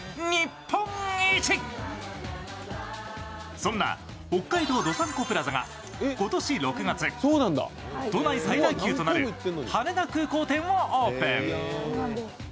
そんな北海道どさんこプラザが今年６月都内最大級となる羽田空港店をオープン。